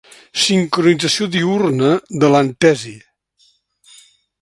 Sincronització diürna de l'antesi.